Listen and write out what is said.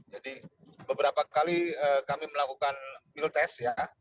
jadi beberapa kali kami melakukan meal test ya